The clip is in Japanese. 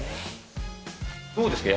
どうですか？